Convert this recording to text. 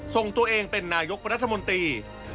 ส่งตัวเองเป็นนายกรัฐมนตรี